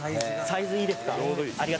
「サイズがいいです